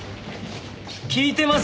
聞いてます？